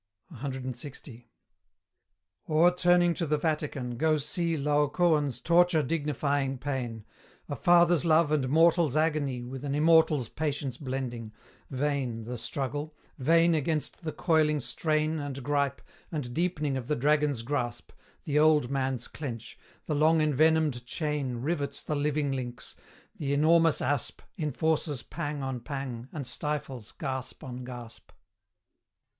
CLX. Or, turning to the Vatican, go see Laocoon's torture dignifying pain A father's love and mortal's agony With an immortal's patience blending: Vain The struggle; vain, against the coiling strain And gripe, and deepening of the dragon's grasp, The old man's clench; the long envenomed chain Rivets the living links, the enormous asp Enforces pang on pang, and stifles gasp on gasp.